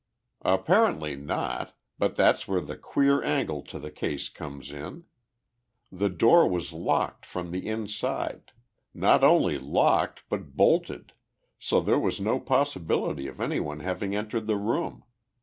"Apparently not but that's where the queer angle to the case comes in. The door was locked from the inside not only locked, but bolted, so there was no possibility of anyone having entered the room.